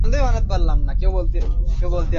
শুধু তুমি, শুধু তুমি!